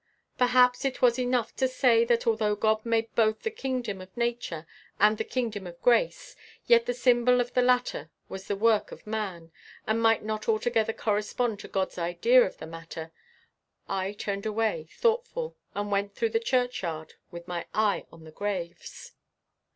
Perhaps it was enough to say that although God made both the kingdom of nature and the kingdom of grace, yet the symbol of the latter was the work of man, and might not altogether correspond to God's idea of the matter. I turned away thoughtful, and went through the churchyard with my eye on the graves.